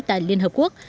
tại liên hợp quốc